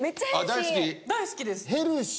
大好きです。